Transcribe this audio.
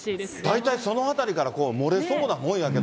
大体そのあたりから、漏れそうなもんやけど。